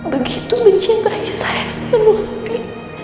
begitu mencintai saya selalu hati